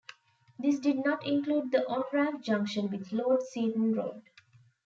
This did not include the on-ramp junction with Lord Seaton Road.